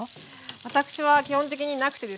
私は基本的になくてですね。